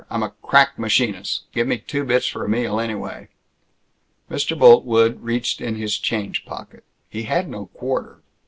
I'm a crack machinist.... Give me two bits for a meal, anyway." Mr. Boltwood reached in his change pocket. He had no quarter.